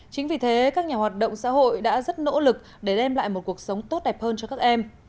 chính vì thế các nhà hoạt động xã hội đã rất nỗ lực để đem lại một cuộc sống tốt đẹp hơn cho các em